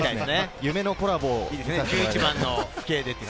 夢のコラボ。